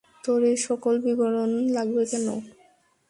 তোর এই সকল বিবরণ লাগবে কেন?